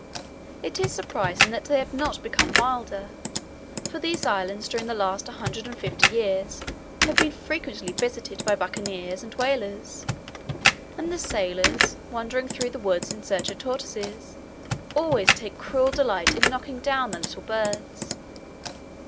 It is surprising that they have not become wilder; for these islands during the last hundred and fifty years have been frequently visited by bucaniers and whalers; and the sailors, wandering through the wood in search of tortoises, always take cruel delight in knocking down the little birds.